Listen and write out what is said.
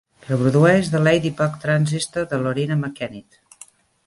Reprodueix The Ladybug Transistor de Loreena Mckennitt.